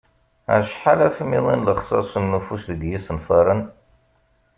Acḥal afmiḍi n lexsas n ufus deg yisenfaren?